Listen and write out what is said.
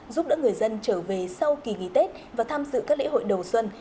giúp đỡ người dân trở về sau kỳ nghỉ tết và tham dự các lễ hội đầu xuân